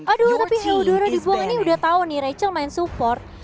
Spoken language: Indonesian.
aduh tapi yaudah dibuang ini udah tau nih rachel main support